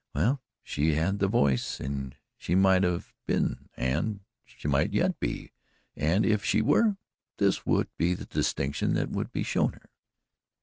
Well, she had the voice and she might have been and she might yet be and if she were, this would be the distinction that would be shown her.